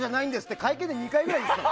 会見で２回ぐらい言ってたもん。